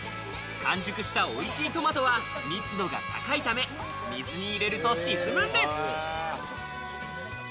完熟したおいしいトマトは、密度が高いため、水に入れると沈むんです。